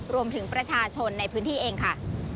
รวมถึงประชาชนในพื้นที่เองค่ะ